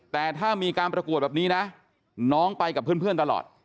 แต่ถ้ามีการประกวดแบบนี้นะน้องไปกับเพื่อนตลอด